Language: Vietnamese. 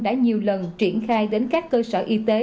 đã nhiều lần triển khai đến các cơ sở y tế